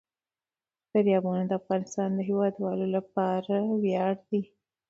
دریابونه د افغانستان د هیوادوالو لپاره ویاړ دی.